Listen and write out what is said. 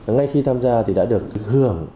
ngay khi tham gia thì đã được hưởng